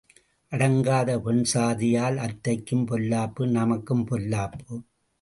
அடங்காத பெண்சாதியால் அத்தைக்கும் பொல்லாப்பு நமக்கும் பொல்லாப்பு.